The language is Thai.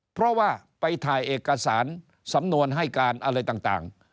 เพราะว่าไปถ่ายเอกสารสำนวนให้การอะไรต่าง